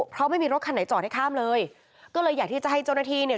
เพราะไม่มีรถคันไหนจอดให้ข้ามเลยก็เลยอยากที่จะให้เจ้าหน้าที่เนี่ย